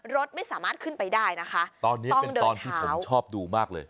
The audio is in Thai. รถไม่สามารถขึ้นไปได้นะคะตอนนี้เป็นตอนที่ผมชอบดูมากเลย